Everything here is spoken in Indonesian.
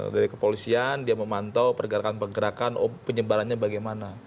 dari kepolisian dia memantau pergerakan pergerakan penyebarannya bagaimana